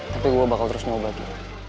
tapi gue bakal terus nyoba ki